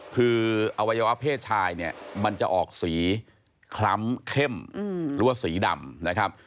คืออวัยวะเพศชายเนี่ยมันจะออกสีคล้ำเข้มหรือว่าสีดำนะครับ